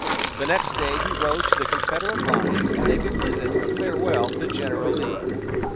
The next day he rode to the Confederate lines to make a visit of farewell to General Lee.